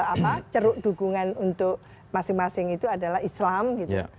apa ceruk dukungan untuk masing masing itu adalah islam gitu